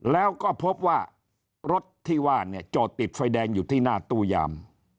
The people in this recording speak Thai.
แล้วก็พบว่ารถที่ว่าเนี่ยจอดติดไฟแดงอยู่ที่หน้าตู้ยาม